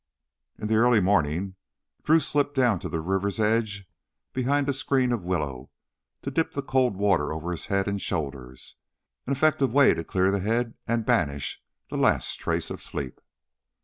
In the early morning Drew slipped down to the river's edge behind a screen of willow to dip the cold water over his head and shoulders an effective way to clear the head and banish the last trace of sleep.